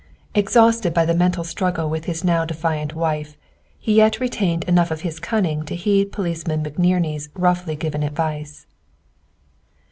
Exhausted by the mental struggle with his now defiant wife, he yet retained enough of his cunning to heed Policeman McNerney's roughly given advice.